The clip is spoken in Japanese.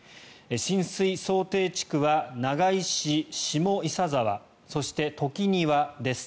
浸水想定地区は長井市下伊佐沢そして、時庭です。